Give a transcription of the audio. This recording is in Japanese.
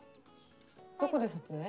どこで撮影？